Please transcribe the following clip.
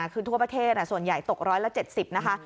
คือทั่วประเทศส่วนใหญ่ตก๑๗๐นะคะ